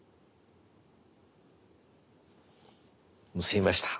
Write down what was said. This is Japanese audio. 結びました。